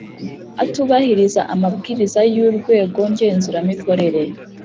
atubahiriza amabwiriza y’urwego ngenzuramikorere